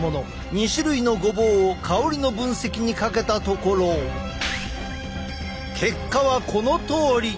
２種類のごぼうを香りの分析にかけたところ結果はこのとおり！